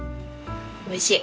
美味しい！